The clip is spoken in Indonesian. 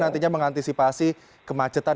nantinya mengantisipasi kemacetan